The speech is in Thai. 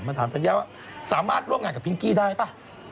ถามธัญญาว่าสามารถร่วมงานกับพิงกี้ได้ป่ะ